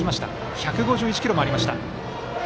１５１キロもありました。